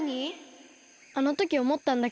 あのときおもったんだけどさ